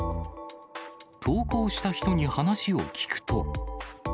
投稿した人に話を聞くと。